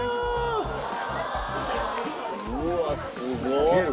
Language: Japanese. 「うわすごっ！